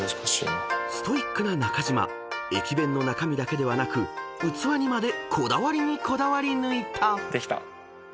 ［ストイックな中島駅弁の中身だけではなく器にまでこだわりにこだわり抜いた］